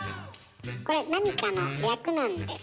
これ何かの略なんです。